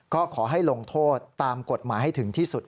ก็ขอให้ลงโทษตามกฎหมายให้ถึงที่สุด